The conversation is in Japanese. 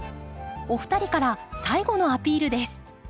お二人から最後のアピールです。